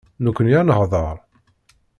Nekkni ad neḥḍer.